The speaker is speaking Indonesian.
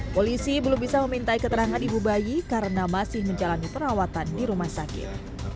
polisi belum bisa memintai keterangan ibu bayi karena masih menjalani perawatan di rumah sakit